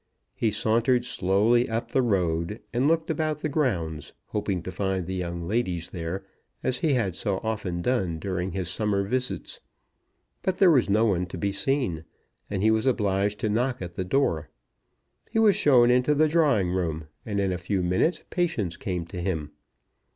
He sauntered slowly up the road, and looked about the grounds, hoping to find the young ladies there, as he had so often done during his summer visits; but there was no one to be seen, and he was obliged to knock at the door. He was shown into the drawing room, and in a few minutes Patience came to him.